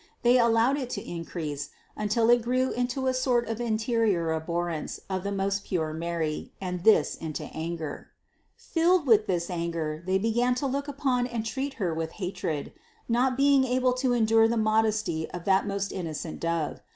They allowed 36 538 CITY OF GOD it to increase until it grew into a sort of interior abhor rence af the most pure Mary, and this into anger. Filled with this anger, they began to look upon and treat Her with hatred, not being able to endure the modesty of that most innocent Dove.